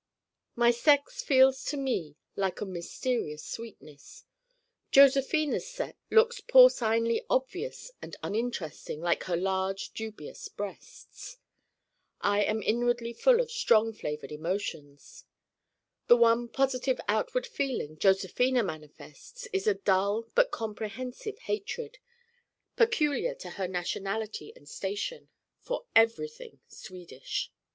My sex feels to me like a mysterious sweetness. Josephina's sex looks porcinely obvious and uninteresting like her large dubious breasts. I am inwardly full of strong flavored emotions. The one positive outward feeling Josephina manifests is a dull but comprehensive hatred, peculiar to her nationality and station, for everything Swedish.